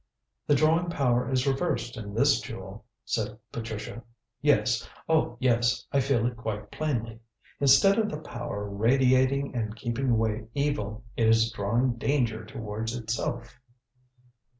"The drawing power is reversed in this jewel," said Patricia. "Yes! oh, yes! I feel it quite plainly. Instead of the power radiating and keeping away evil, it is drawing danger towards itself."